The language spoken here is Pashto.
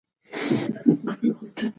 ځان بوخت وساتئ.